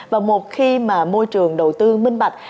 và một khi mà môi trường đầu tư minh bạch